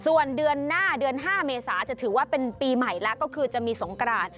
ส่วนเดือนหน้าเดือน๕เมษาจะถือว่าเป็นปีใหม่แล้วก็คือจะมีสงกราน